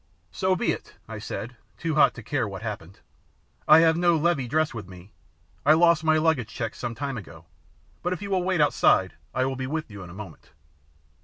"So be it," I said, too hot to care what happened. "I have no levee dress with me. I lost my luggage check some time ago, but if you will wait outside I will be with you in a moment."